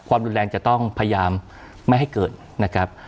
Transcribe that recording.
ความรุนแรงจะต้องพยายามไม่ให้เกิดนะครับ